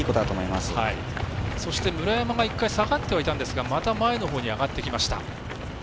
そして村山が１回下がってはいたんですがまた前のほうに上がってきました。